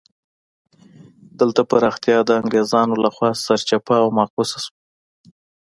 دلته پراختیا د انګرېزانو له خوا سرچپه او معکوسه شوه.